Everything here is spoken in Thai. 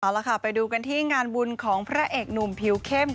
เอาละค่ะไปดูกันที่งานบุญของพระเอกหนุ่มผิวเข้ม